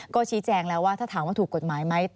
ก็ชี้แจงแล้วว่าถ้าถามว่าถูกกฎหมายไหม